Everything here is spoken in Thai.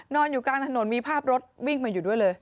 นอนอยู่กลางถนนมีภาพรถวิ่งมาอยู่ด้วยเลย